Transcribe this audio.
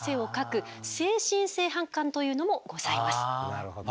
なるほど。